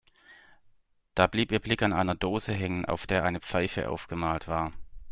Da blieb ihr Blick an einer Dose hängen, auf der eine Pfeife aufgemalt war.